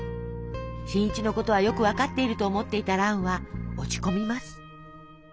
新一のことはよく分かっていると思っていた蘭は落ち込みます。